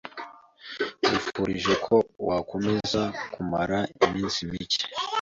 Nkwifurije ko wakomeza kumara iminsi mike.